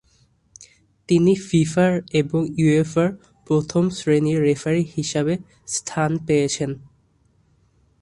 তিনি ফিফার এবং উয়েফার প্রথম শ্রেণির রেফারি হিসেবে স্থান পেয়েছেন।